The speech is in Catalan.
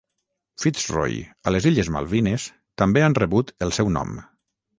Fitzroy a les illes Malvines també han rebut el seu nom.